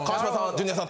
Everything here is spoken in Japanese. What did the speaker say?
ジュニアさん